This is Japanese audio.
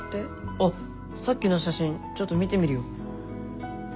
あっさっきの写真ちょっと見てみるよ。